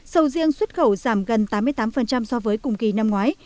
sầu riêng xuất khẩu giảm gần tám mươi tám so với cùng kỳ năm ngoái